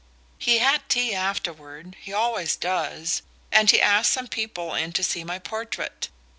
"He had tea afterward; he always does. And he asked some people in to see my portrait.